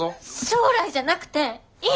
将来じゃなくて今！